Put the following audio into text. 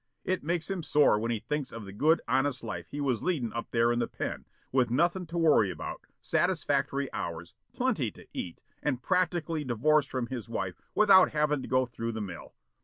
It makes him sore when he thinks of the good, honest life he was leadin' up there in the pen, with nothin' to worry about, satisfactory hours, plenty to eat, and practically divorced from his wife without havin' to go through the mill.